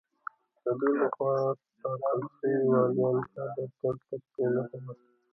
د ده له خوا ټاکل شوي والیان چا دفتر ته پرې نه ښودل.